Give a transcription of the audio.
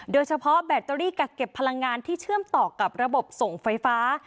แบตเตอรี่กักเก็บพลังงานที่เชื่อมต่อกับระบบส่งไฟฟ้า